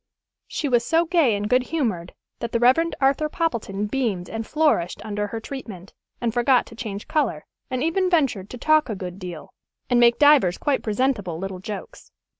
She was so gay and good humored that the Rev. Arthur Poppleton beamed and flourished under her treatment, and forgot to change color, and even ventured to talk a good deal, and make divers quite presentable little jokes.